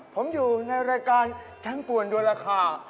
พออยู่ในรายการด้วยราคา